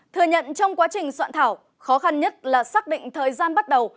thừa nhận trong quá trình soạn thảo khó khăn nhất là xác định thời gian bắt đầu